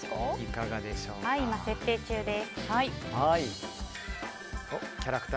今、設定中です。